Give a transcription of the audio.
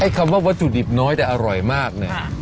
คำว่าวัตถุดิบน้อยแต่อร่อยมากเนี่ย